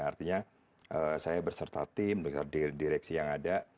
artinya saya berserta tim berserta direksi yang ada